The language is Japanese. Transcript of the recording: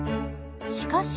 しかし